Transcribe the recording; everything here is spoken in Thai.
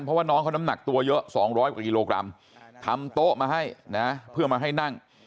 เพราะว่าน้องเขาน้ำหนักตัวเยอะ๒๐๐กว่ากิโลกรัมทำโต๊ะมาให้นะเพื่อมาให้นั่ง